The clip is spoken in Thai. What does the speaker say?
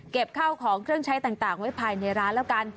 ข้าวของเครื่องใช้ต่างไว้ภายในร้านแล้วกัน